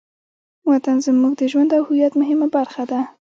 وطن زموږ د ژوند او هویت مهمه برخه ده.